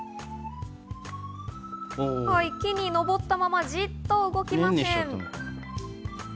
木に登ったまま、じっと動きません。